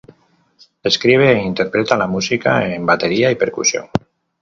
Escribe e interpreta la música en batería y percusión.